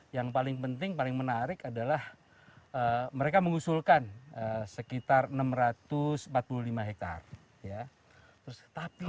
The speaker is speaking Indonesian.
yang paling penting paling menarik adalah mereka mengusulkan sekitar enam ratus empat puluh lima hektare